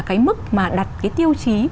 cái mức mà đặt cái tiêu chí